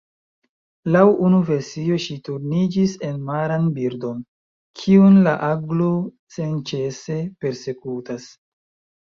Laŭ unu versio ŝi turniĝis en maran birdon, kiun la aglo senĉese persekutas.